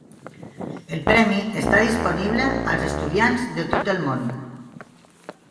El premi està disponible als estudiants de tot el món.